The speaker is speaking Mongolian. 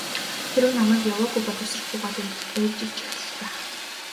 Хэрэв намайг яваагүй бол үсэрч буугаад ээлжилчих л байх.